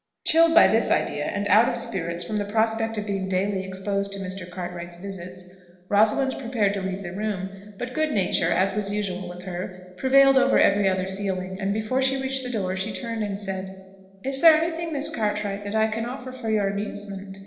Chilled by this idea, and out of spirits from the prospect of being daily exposed to Mr. Cartwright's visits, Rosalind prepared to leave the room; but good nature, as was usual with her, prevailed over every other feeling, and before she reached the door, she turned and said, "Is there any thing, Miss Cartwright, that I can offer for your amusement?